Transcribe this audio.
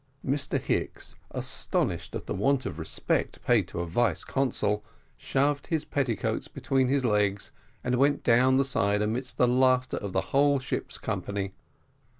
Mr Hicks, astonished at the want of respect, paid to a vice consul, shoved his petticoats between his legs and went down the side amidst the laughter of the whole of the ship's company.